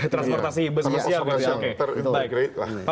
transportasi bus bersiap